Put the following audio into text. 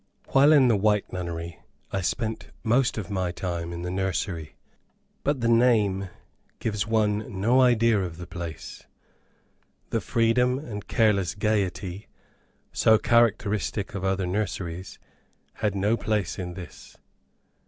While in the White Nunnery, I spent the most of my time in the nursery. But the name gives one no idea of the place. The freedom and careless gayety, so characteristic of other nurseries, had no place in this.